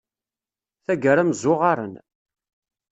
Taggara mmzuɣaṛen.